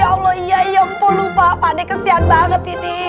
astagfirullahaladzim ya allah ya allah ya ampun lupa pada kesian banget ini